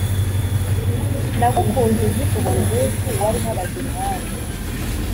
nagukunze nkikubona umunsi warumpagaze iruhande